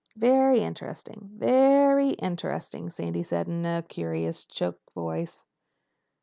"Very interesting. Ve ry interesting," Sandy said in a curious choked voice.